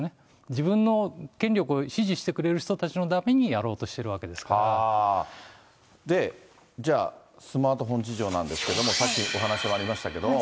自分の権力を支持してくれる人たちのためにやろうとしてるわけでじゃあ、スマートフォン事情なんですけれども、さっきお話しにもありましたけれども。